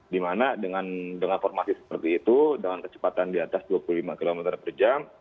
dimana dengan formasi seperti itu dengan kecepatan di atas dua puluh lima km per jam